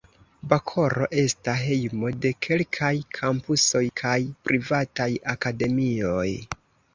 Bakoro esta hejmo de kelkaj kampusoj kaj privataj akademioj.